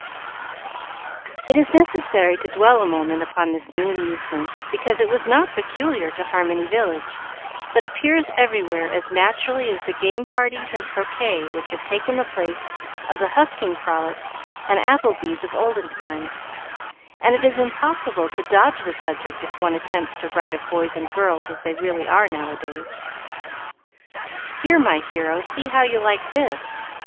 It is necessary to dwell a moment upon this new amusement, because it was not peculiar to Harmony Village, but appears everywhere as naturally as the game parties and croquet which have taken the place of the husking frolics and apple bees of olden times, and it is impossible to dodge the subject if one attempts to write of boys and girls as they really are nowadays. "Here, my hero, see how you like this.